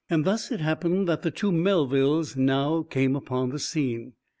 Thus it happened that the two Melvilles now came upon the scene.